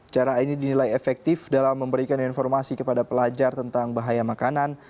cara ini dinilai efektif dalam memberikan informasi kepada pelajar tentang bahaya makanan